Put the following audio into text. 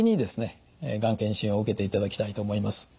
がん検診を受けていただきたいと思います。